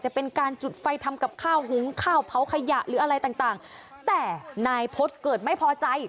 เป็นการจุดไฟทำกับข้าวหุงข้าวเผาขยะหรืออะไรต่างต่างแต่นายพฤษเกิดไม่พอใจ